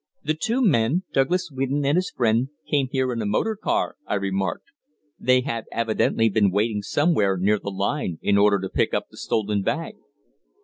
"The two men, Douglas Winton and his friend, came here in a motor car," I remarked. "They had evidently been waiting somewhere near the line, in order to pick up the stolen bag."